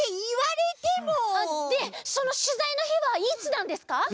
でそのしゅざいのひはいつなんですか？